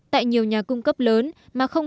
tại nhiều nhà cung cấp lớn mà không